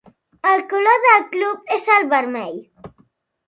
El color del club és el vermell.